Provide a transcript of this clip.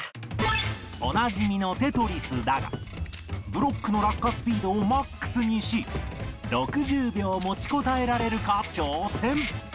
おなじみの『テトリス』だがブロックの落下スピードをマックスにし６０秒持ちこたえられるか挑戦